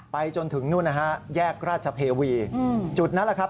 ไปจนถึงแยกราชเทวีจุดนั้นล่ะครับ